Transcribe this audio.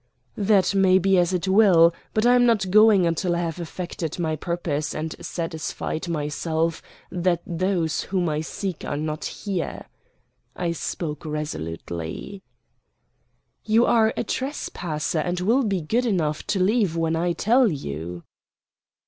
"That may be as it will, but I am not going until I have effected my purpose and satisfied myself that those whom I seek are not here." I spoke resolutely. "You are a trespasser, and will be good enough to leave when I tell you."